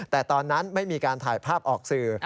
แต่ตอนนั้นไม่มีการถ่ายภาพออกสื่อ